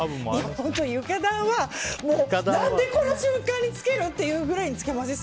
床暖はなんでこの瞬間につけるっていうぐらいつけません？